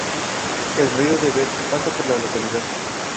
El río Debet pasa por la localidad.